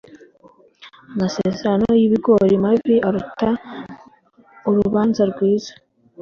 amasezerano y'ibigori mabi aruta urubanza rwiza.